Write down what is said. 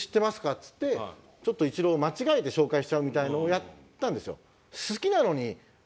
っつってちょっとイチローを間違えて紹介しちゃうみたいのをやったんですよ。